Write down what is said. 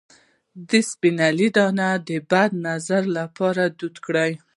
د سپند دانه د بد نظر لپاره دود کړئ